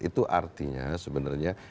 itu artinya sebenarnya